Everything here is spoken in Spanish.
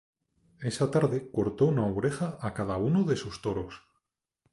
Esa tarde cortó una oreja a cada uno de sus toros.